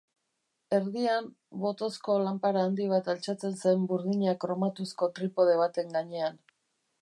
Erdian, botozko lanpara handi bat altxatzen zen burdina kromatuzko tripode baten gainean.